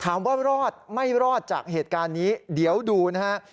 ถามว่ารอดไม่รอดจากเหตุการณ์นี้เดี๋ยวดูนะฮะ